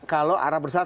kalau arab bersatu